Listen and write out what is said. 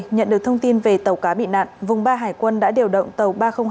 nhận được thông tin về tàu cá bị nạn vùng ba hải quân đã điều động tàu ba trăm linh hai